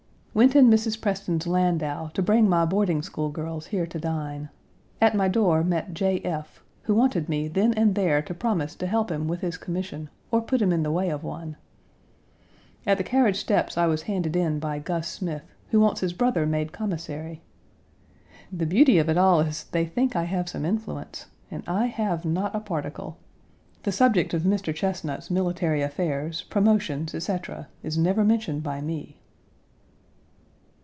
Went in Mrs. Preston's landau to bring my boarding school girls here to dine. At my door met J. F., who wanted me then and there to promise to help him with his commission or put him in the way of one. At the carriage steps I was handed in by Gus Smith, who wants his brother made commissary. The beauty of it all is they think I have some influence, and I have not a particle. The subject of Mr. Chesnut's military affairs, promotions, etc., is never mentioned by me.